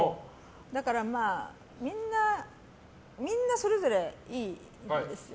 だから、みんなそれぞれいいんですよ。